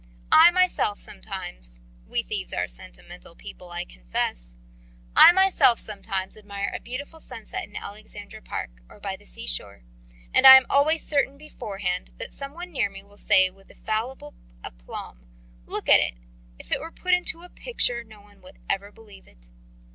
I myself sometimes we thieves are sentimental people, I confess I myself sometimes admire a beautiful sunset in Aleksandra Park or by the sea shore. And I am always certain beforehand that some one near me will say with infallible aplomb: 'Look at it. If it were put into picture no one would ever believe it!'